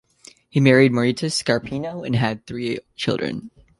He married Marita Scarpino and had three children.